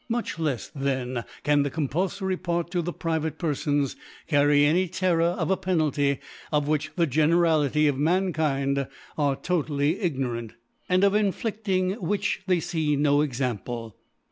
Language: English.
Much lefs then can the compulfory Part to the pri vate Perfons carry any Terror of a Penalty of which the Generality of Mankind are totally ignorant; and of infiiding whtch> they fee no Example.